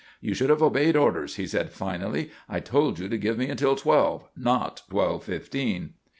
"You should have obeyed orders," he said finally. "I told you to give me until twelve; not twelve fifteen."